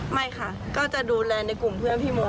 ไม่ค่ะก็จะดูแลในกลุ่มเพื่อนพี่มัว